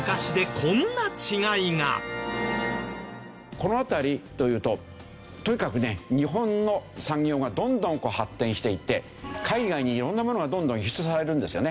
この辺りというととにかくね日本の産業がどんどん発展していって海外にいろんなものがどんどん輸出されるんですよね。